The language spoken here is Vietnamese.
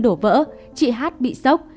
đổ vỡ chị hát bị sốc